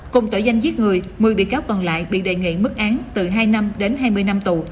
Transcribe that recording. cùng tội danh giết người một mươi bị cáo còn lại bị đề nghị mức án từ hai năm đến hai mươi năm tù